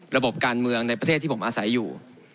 ระบบการเมืองในประเทศที่ผมอาศัยอยู่